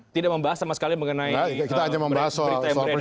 tidak membahas sama sekali mengenai berita yang beredar saat ini